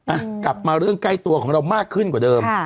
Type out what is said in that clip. อ่ะกลับมาเรื่องใกล้ตัวของเรามากขึ้นกว่าเดิม